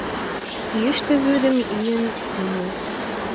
Йӱштӧ вӱдым йӱын омыл.